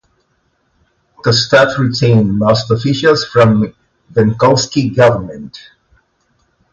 Kostov retained most officials from the Crvenkovski government.